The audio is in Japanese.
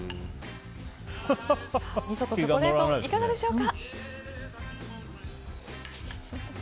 みそとチョコレートいかがでしょうか。